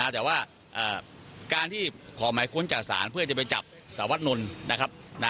แต่ว่าการที่ขอหมายค้นจากศาลเพื่อจะไปจับสารวัตนนท์นะครับ